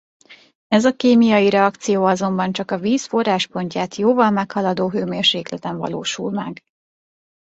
Ez a kémiai reakció azonban csak a víz forráspontját jóval meghaladó hőmérsékleten valósul meg.